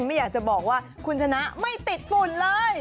ไม่อยากจะบอกว่าคุณชนะไม่ติดฝุ่นเลย